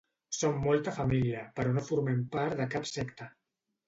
Són molta família, però no formen part de cap secta.